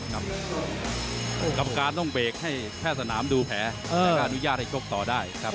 กรรมการต้องเบรกให้แพทย์สนามดูแผลแล้วก็อนุญาตให้ชกต่อได้ครับ